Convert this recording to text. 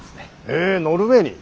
へえノルウェーに。